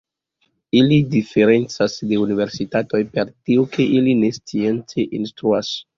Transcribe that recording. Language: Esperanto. Ili diferencas de universitatoj per tio, ke ili ne science instruas.